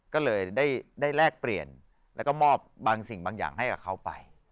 ก็เลยได้แลกเปลี่ยนแล้วก็มอบบางสิ่งบางอย่างให้กับเขาไป